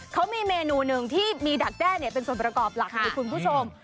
เขามีเมนูหนึ่งนี้ที่มีดักด้าเป็นส่วนประกอบให้คุณผู้ชม